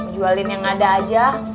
jualin yang ada aja